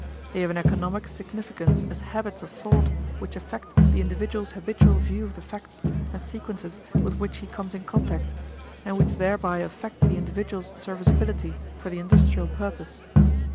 They have an economic significance as habits of thought which affect the individual's habitual view of the facts and sequences with which he comes in contact, and which thereby affect the individual's serviceability for the industrial purpose.